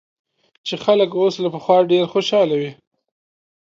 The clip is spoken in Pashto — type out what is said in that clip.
چې خلک اوس له پخوا ډېر خوشاله وي